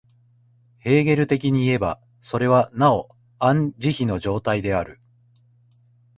ヘーゲル的にいえば、それはなおアン・ジヒの状態である。